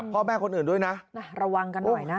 พ่อแม่คนอื่นด้วยนะระวังกันหน่อยนะ